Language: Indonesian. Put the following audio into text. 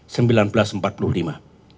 jangan diragukan untuk itu